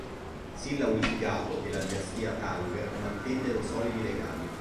Silla unificato e la dinastia Tang mantennero solidi legami.